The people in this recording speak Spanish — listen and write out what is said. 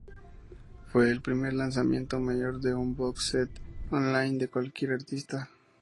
Fue el primer lanzamiento mayor de un box set on-line de cualquier artista.